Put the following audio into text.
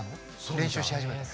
練習し始めたの？